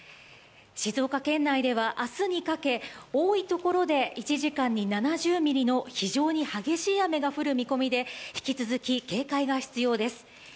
静岡県内では明日にかけ多いところで１時間に７０ミリの非常に激しい雨が降る見込みで引き続き警戒が必要です。